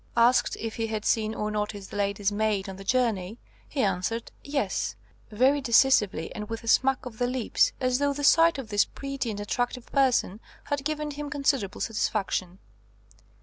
Asked if he had seen or noticed the lady's maid on the journey, he answered "yes" very decisively and with a smack of the lips, as though the sight of this pretty and attractive person had given him considerable satisfaction.